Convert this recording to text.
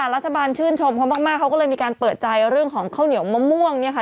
รัฐบาลชื่นชมเขามากเขาก็เลยมีการเปิดใจเรื่องของข้าวเหนียวมะม่วงเนี่ยค่ะ